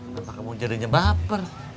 kenapa kamu jadinya baper